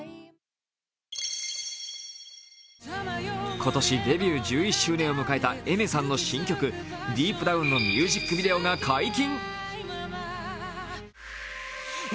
今年デビュー１１周年を迎えたＡｉｍｅｒさんの新曲「Ｄｅｅｐｄｏｗｎ」のミュージックビデオが解禁。